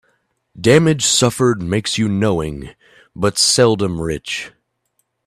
Damage suffered makes you knowing, but seldom rich.